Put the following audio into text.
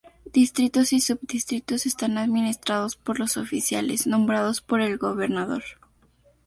Distritos y subdistritos están administrados por los oficiales nombrados por el gobernador.